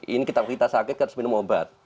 ini kita sakit harus minum obat